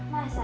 masa sih non